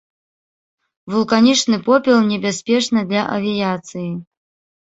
Вулканічны попел небяспечны для авіяцыі.